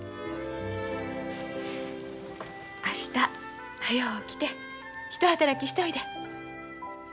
明日はよう起きてひと働きしておいで。